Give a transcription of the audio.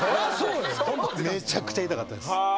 めちゃくちゃ痛かったです。